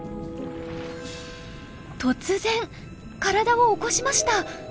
突然体を起こしました。